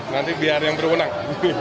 nanti biar yang berwenang